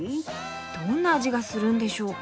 どんな味がするんでしょう？